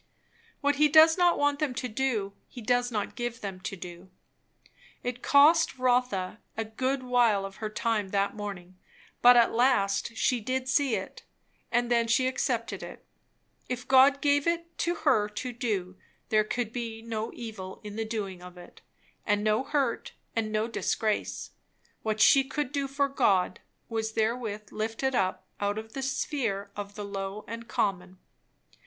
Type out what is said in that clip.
What he does not want them to do, he does not give them to do. It cost Rotha a good while of her time that morning, but at last she did see it, and then she accepted it. If God gave it to her to do, there could be no evil in the doing of it, and no hurt, and no disgrace. What she could do for God, was therewith lifted up out of the sphere of the low and common.